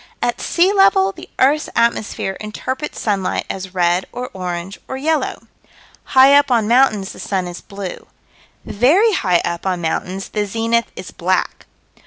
At sea level, the earth's atmosphere interprets sunlight as red or orange or yellow. High up on mountains the sun is blue. Very high up on mountains the zenith is black.